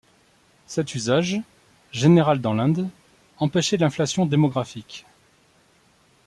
Cet usage, général dans l’Inde, empêchait l’inflation démographique.